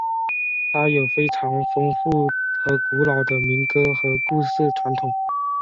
它有非常丰富和古老的民歌和故事传统。